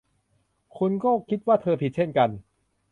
คุณก็คิดว่าเธอผิดเช่นกัน